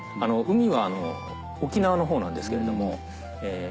海は沖縄のほうなんですけれども。